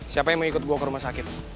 siapa yang mau ikut gue ke rumah sakit